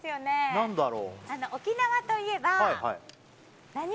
何だろう？